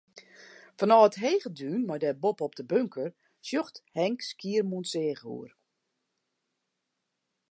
Fanôf it hege dún mei dêr boppe-op de bunker, sjocht Henk Skiermûntseach oer.